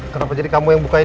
kenapa jadi kamu yang bukain